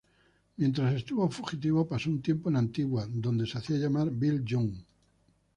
Mientras estuvo fugitivo pasó un tiempo en Antigua, donde se hacía llamar Bill Young.